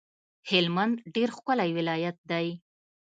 هلمند ډیر ښکلی ولایت دی